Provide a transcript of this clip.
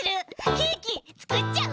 ケーキつくっちゃう？